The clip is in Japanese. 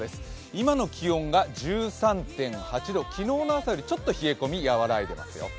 今の気温が１３．８度、昨日の朝よりちょっと冷え込み和らいでますよ。